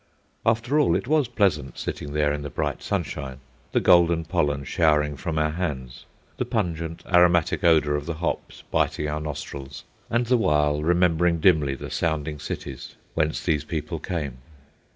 After all, it was pleasant sitting there in the bright sunshine, the golden pollen showering from our hands, the pungent aromatic odour of the hops biting our nostrils, and the while remembering dimly the sounding cities whence these people came.